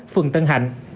phường tân hạnh